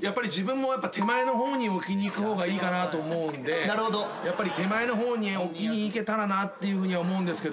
やっぱり自分も手前の方に置きにいく方がいいかなと思うんで手前の方に置きにいけたらなっていうふうに思うんですけど。